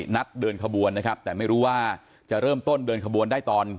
เดินขบวนนะครับแต่ไม่รู้ว่าจะเริ่มต้นเดินขบวนได้ตอน